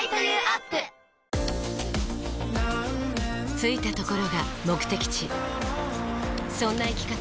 着いたところが目的地そんな生き方